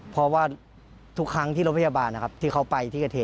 เพราะว่าทุกครั้งที่รถพยาบาลนะครับที่เขาไปที่เกิดเหตุ